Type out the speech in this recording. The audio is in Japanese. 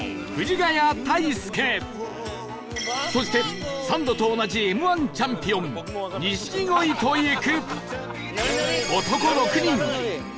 そしてサンドと同じ Ｍ−１ チャンピオン錦鯉と行く